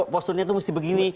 posturnya tuh mesti begini